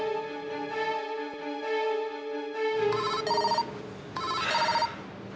jadi sangat membenci aku sekarang